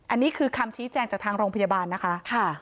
อันนี้คือคำชี้แจงจากทางโรงพยาบาลนะคะ